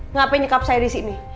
ngapain nyekap saya disini